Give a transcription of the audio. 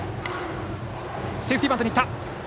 セーフティーバントにいった。